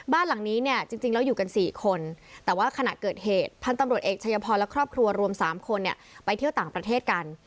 บ้านหลังนี้เนี่ยจริงแล้วอยู่กัน๔คนแต่ว่าขณะเกิดเหตุพันธุ์ตำรวจเอกชายพรและครอบครัวรวม๓คนเนี่ยไปเที่ยวต่างประเทศกัน